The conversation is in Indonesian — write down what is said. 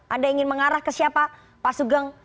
anda ingin mengarah ke siapa pak sugeng